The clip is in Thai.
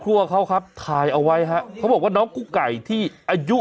ครัวเขาครับถ่ายเอาไว้ฮะเขาบอกว่าน้องกุ๊กไก่ที่อายุ